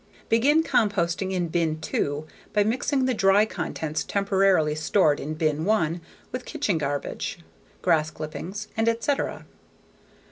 Begin composting in bin two by mixing the dry contents temporarily stored in bin one with kitchen garbage, grass clippings and etc.